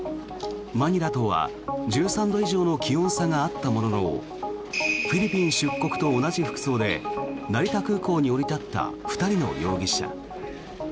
マニラとは１３度以上の気温差があったもののフィリピン出国と同じ服装で成田空港に降り立った２人の容疑者。